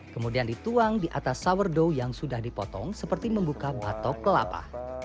kemudian dituang di atas sourdow yang sudah dipotong seperti membuka batok kelapa